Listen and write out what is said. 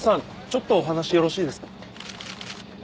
ちょっとお話よろしいですか？